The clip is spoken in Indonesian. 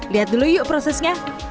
lihat dulu yuk prosesnya